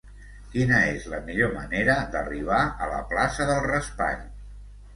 Quina és la millor manera d'arribar a la plaça del Raspall?